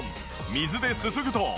水ですすぐと。